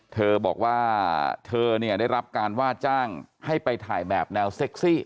เธอบอกว่าเธอเนี่ยได้รับการว่าจ้างให้ไปถ่ายแบบแนวเซ็กซี่